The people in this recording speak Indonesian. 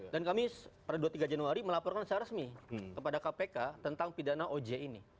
dan kami pada dua puluh tiga januari melaporkan secara resmi kepada kpk tentang pidana oj ini